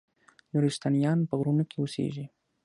نورستانیان په غرونو کې اوسیږي؟